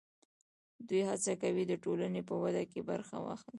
دوی هڅه کوي د ټولنې په وده کې برخه واخلي.